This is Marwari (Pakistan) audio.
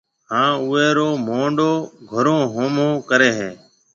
ھان اوئيَ رو موھنڏو گھرون ھومو ڪريَ ھيََََ